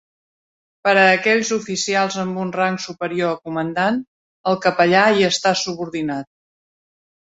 Per a aquells oficials amb un rang superior a comandant, el capellà hi està subordinat.